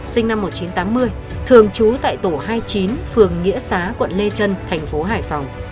sinh năm một nghìn chín trăm tám mươi thường trú tại tổ hai mươi chín phường nghĩa xá quận lê trân thành phố hải phòng